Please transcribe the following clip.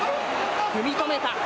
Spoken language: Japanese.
組み止めた。